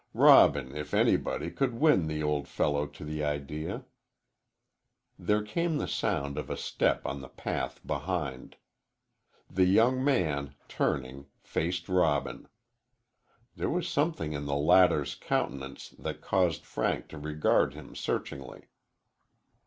Robin, if anybody, could win the old fellow to the idea. There came the sound of a step on the path behind. The young man, turning, faced Robin. There was something in the latter's countenance that caused Frank to regard him searchingly.